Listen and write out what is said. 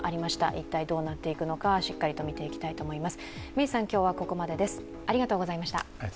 一体どうなっていくのか、しっかりと見ていきたいと思います。